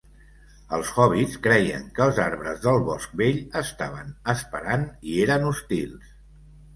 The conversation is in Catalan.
Els hòbbits creien que els arbres del Bosc Vell estaven 'esperant', i eren hostils.